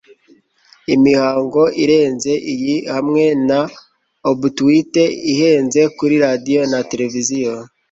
imihango irenze iyi, hamwe na obituite ihenze kuri radio na tereviziyo